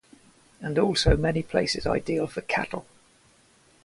And also many places ideal for cattle.